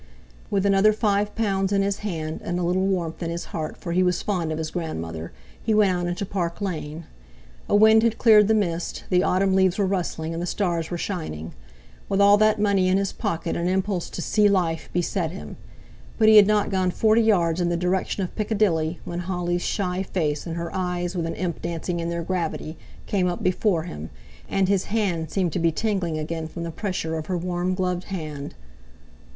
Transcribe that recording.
With another five pounds in his hand, and a little warmth in his heart, for he was fond of his grandmother, he went out into Park Lane. A wind had cleared the mist, the autumn leaves were rustling, and the stars were shining. With all that money in his pocket an impulse to "see life" beset him; but he had not gone forty yards in the direction of Piccadilly when Holly's shy face, and her eyes with an imp dancing in their gravity, came up before him, and his hand seemed to be tingling again from the pressure of her warm gloved hand.